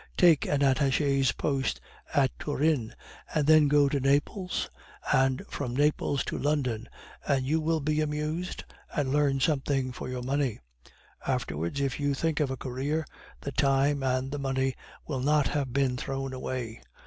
Take an attache's post at Turin, and then go to Naples, and from Naples to London, and you will be amused and learn something for your money. Afterwards, if you think of a career, the time and the money will not have been thrown away.